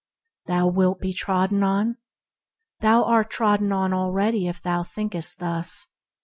Thou wilt be trodden on ? Thou art trodden on already if thou thinkest thus.